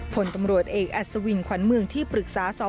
ผลตำรวจเอกอัศวินขวัญเมืองที่ปรึกษาสอบ